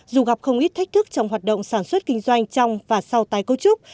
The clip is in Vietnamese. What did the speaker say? dù gặp không ít thách thức trong hoạt động sản xuất kinh doanh trong và sau tái cấu trúc